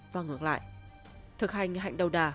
và ngược lại thực hành hạnh đầu đà